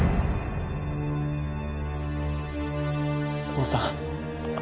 父さん。